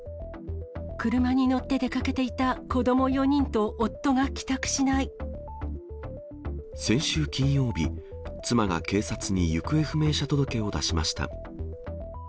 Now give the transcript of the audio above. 車に乗って出かけていた子ど先週金曜日、妻が警察に行方不明者届を出しました。